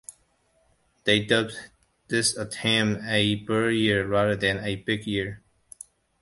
They dubbed this attempt a "bird year," rather than a big year.